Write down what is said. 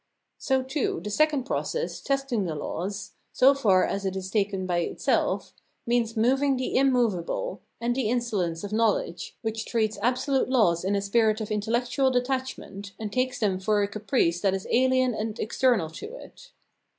So, too, the second process, testing the laws, so far as it is taken by itself, means moving the immovable, and the insolence of know ledge, which treats absolute laws in a spirit of intel lectual detachment, and takes them for a caprice that is alien and external to it.